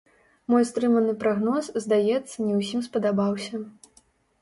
Мой стрыманы прагноз, здаецца, не ўсім спадабаўся.